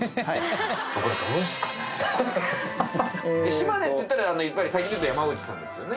島根っていったらやっぱり最近だと山内さんですよね。